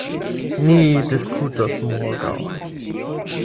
Ni diskutos morgaŭ.